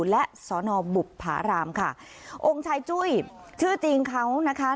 และสอนอบุภารามค่ะองค์ชายจุ้ยชื่อจริงเขานะคะ